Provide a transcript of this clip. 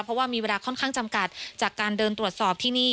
เพราะว่ามีเวลาค่อนข้างจำกัดจากการเดินตรวจสอบที่นี่